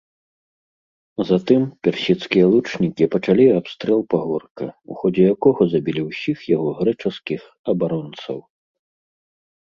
Затым персідскія лучнікі пачалі абстрэл пагорка, у ходзе якога забілі ўсіх яго грэчаскіх абаронцаў.